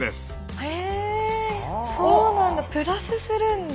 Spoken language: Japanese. へえそうなんだ。